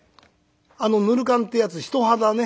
あのぬる燗ってやつ人肌ね。